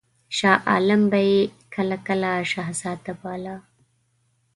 شاه عالم به یې کله کله شهزاده باله.